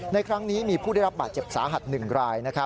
ในครั้งนี้มีผู้ได้รับบาดเจ็บสาหัส๑ราย